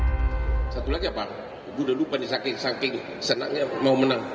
hai satu lagi apa udah lupa nih saking saking senangnya mau menang